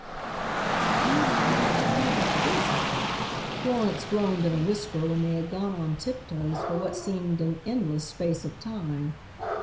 "I wonder how much more there is of it," Florence groaned in a whisper when they had gone on tiptoes for what seemed an endless space of time.